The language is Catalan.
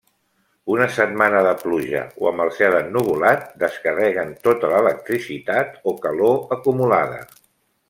Una setmana de pluja o amb el cel ennuvolat descarreguen tota l'electricitat o calor acumulada.